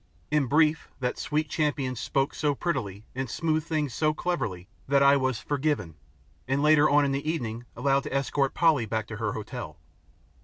In brief, that sweet champion spoke so prettily and smoothed things so cleverly that I was "forgiven," and later on in the evening allowed to escort Polly back to her hotel.